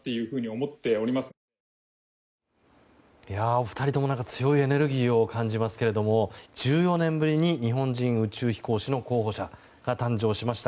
お二人とも強いエネルギーを感じますけれども１４年ぶりに日本人宇宙飛行士の候補者が誕生しました。